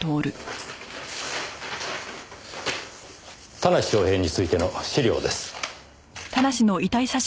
田無昌平についての資料です。